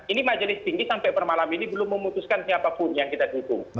ini majelis tinggi sampai permalam ini belum memutuskan siapapun yang kita dukung